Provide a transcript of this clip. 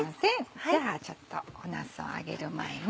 じゃあちょっとなすを揚げる前に。